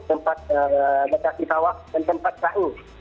tempat mekah sifawak dan tempat kaing